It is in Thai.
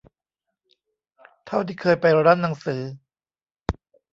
เท่าที่เคยไปร้านหนังสือ